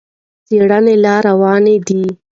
څېړنې لا روانې دي.